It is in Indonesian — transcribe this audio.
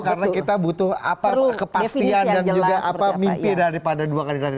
karena kita butuh kepastian dan juga mimpi daripada dua kandidat ini